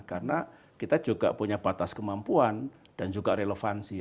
karena kita juga punya batas kemampuan dan juga relevansi